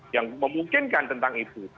yang memungkinkan tentang itu